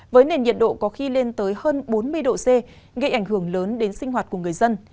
với nền nhiệt độ có khi lên tới hơn bốn mươi độ c gây ảnh hưởng lớn đến sinh hoạt của người dân